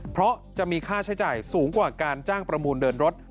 เพราะจะมีค่าใช้จ่ายสูงกว่าการจ้างประมูลเดินรถ